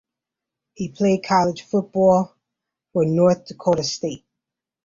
He played college football for North Dakota State.